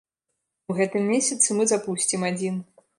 У гэтым месяцы мы запусцім адзін.